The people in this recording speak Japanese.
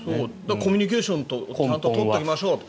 コミュニケーションをちゃんと取っておきましょうと。